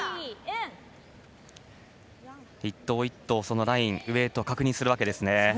１投１投そのライン、ウエートを確認するわけですね。